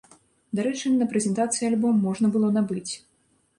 Дарэчы, на прэзентацыі альбом можна было набыць.